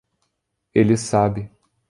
Ele sabe